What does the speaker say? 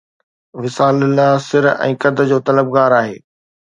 وصال لله سر ۽ قد جو طلبگار آهي